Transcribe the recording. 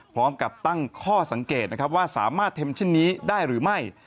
พร้อมกับตั้งข้อสังเกตนะครับว่าสามารถเทมเช่นนี้ได้หรือไม่